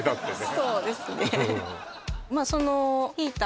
そうですね